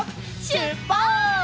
しゅっぱつ！